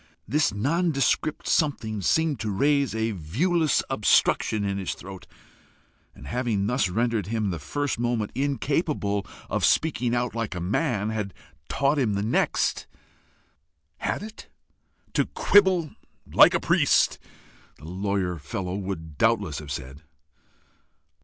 this nondescript something seemed to raise a "viewless obstruction" in his throat, and, having thus rendered him the first moment incapable of speaking out like a man, had taught him the next had it? to quibble "like a priest" the lawyer fellow would doubtless have said!